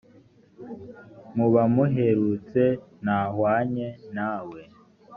mu bamuherutse nta wahwanye na we